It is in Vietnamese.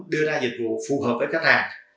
đưa ra dịch vụ phù hợp với khách hàng